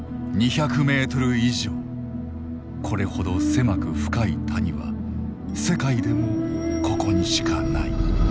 これほど狭く深い谷は世界でもここにしかない。